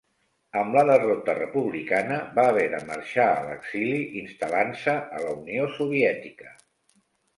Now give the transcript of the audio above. Amb la derrota republicana va haver de marxar a l'exili, instal·lant-se a la Unió Soviètica.